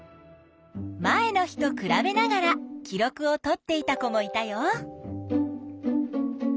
前の日とくらべながら記録をとっていた子もいたよ。